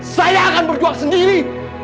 saya akan berjuang sendiri